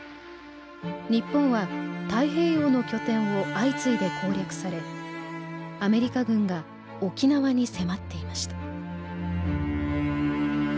日本は太平洋の拠点を相次いで攻略されアメリカ軍が沖縄に迫っていました。